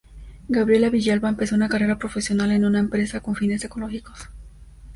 Gabriela Villalba empezó una carrera profesional en una empresa con fines ecológicos.